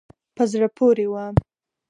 په زړه پورې وه.